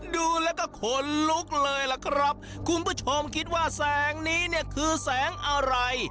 ดูแล้วก็ขนลุกเลยล่ะครับคุณผู้ชมคิดว่าแสงนี้เนี่ยคือแสงอะไร